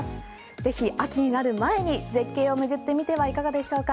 ぜひ秋になる前に絶景を巡ってみてはいかがでしょうか？